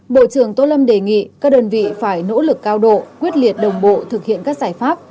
bộ trưởng tô lâm đề nghị các đơn vị phải nỗ lực cao độ quyết liệt đồng bộ thực hiện các giải pháp